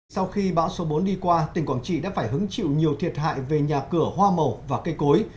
sau khi bão số bốn đi qua tỉnh quảng trị đã phải hứng chịu nhiều thiệt hại về nhà cửa hoa màu và cây cối